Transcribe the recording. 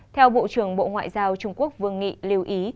theo bộ trưởng bộ ngoại giao trung quốc vương nghị lưu ý